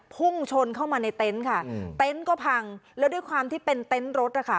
พุ่งชนเข้ามาในเต็นต์ค่ะเต็นต์ก็พังแล้วด้วยความที่เป็นเต็นต์รถนะคะ